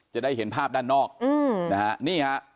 จะได้เห็นภาพด้านนอกนะฮะนี่ฮะ